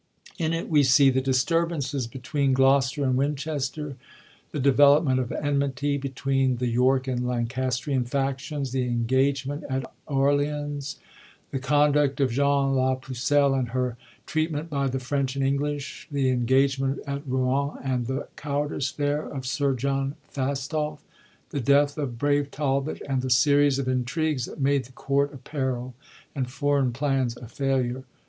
In it we see the disturbances between Gloster and Winchester, the development of the enmity between the York and Lancastrian factions, the engagement at Orleans, the conduct of Joan la Pucelle and her treatment by the Fi*ench and English, the engagement at Bouen and the cowardice there of Sir John Fastolfe, the death of brave Talbot, and the series of intrigues that made the Court a peril and' foreign plans a failure.